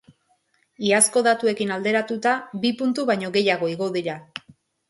Iazko datuekin alderatuta, bi puntu baino gehiago igo dira.